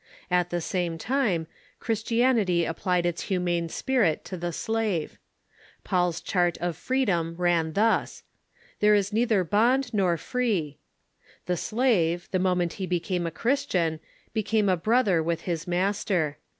At the same time, Christianity applied its humane spirit to the slave. Paul's chart of freedom ran thus :" There is neither bond nor free." The slave, the moment he became a Christian, became a brother with his master.